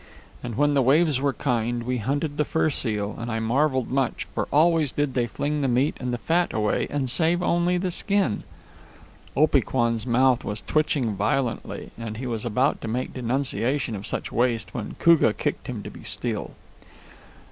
And when the waves were kind, we hunted the fur seal and I marvelled much, for always did they fling the meat and the fat away and save only the skin." Opee Kwan's mouth was twitching violently, and he was about to make denunciation of such waste when Koogah kicked him to be still.